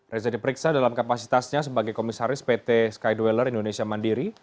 reza diperiksa dalam kapasitasnya sebagai komisaris pt skydwaller indonesia mandiri